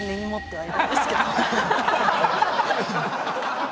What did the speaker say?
はい。